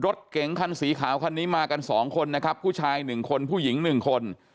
รถเก๋งคันสีขาวคันนี้มากันสองคนนะครับผู้ชาย๑คนผู้หญิง๑คน